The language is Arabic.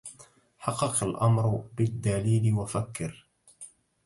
حقق الأمر بالدليل وفكر